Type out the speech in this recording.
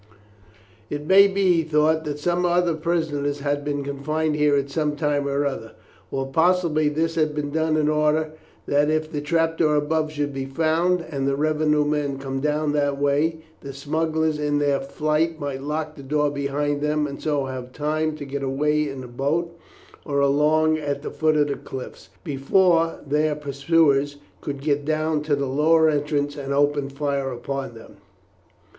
"It may be," he thought, "that some other prisoner has been confined here at some time or other, or possibly this has been done in order that if the trap door above should be found, and the revenue men come down that way, the smugglers in their flight might lock the door behind them and so have time to get away in a boat or along at the foot of the cliffs before their pursuers could get down to the lower entrance and open fire upon them."